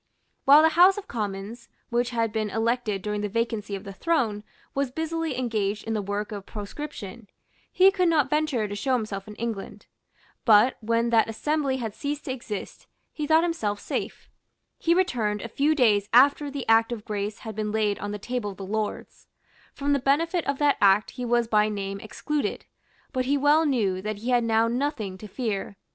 While the House of Commons, which had been elected during the vacancy of the throne, was busily engaged in the work of proscription, he could not venture to show himself in England. But when that assembly had ceased to exist, he thought himself safe. He returned a few days after the Act of Grace had been laid on the table of the Lords. From the benefit of that Act he was by name excluded; but he well knew that he had now nothing to fear.